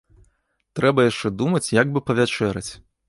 Трэба яшчэ думаць, як бы павячэраць.